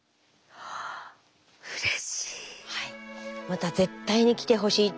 また絶対に来てほしい。